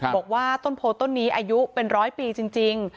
บอกว่าต้นโพต้นนี้อายุเป็นร้อยปีจริง